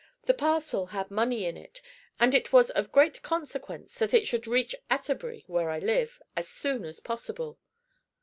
The parcel had money in it, and it was of great consequence that it should reach Atterbury where I live as soon as possible.